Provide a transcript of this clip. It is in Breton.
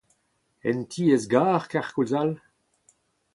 En tiez-gar kenkoulz all ?